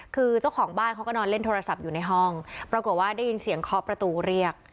คือเจ้าของบ้านเขาก็นอนเล่นโทรศัพท์อยู่ในห้องปรากฏว่าได้ยินเสียงเคาะประตูเรียก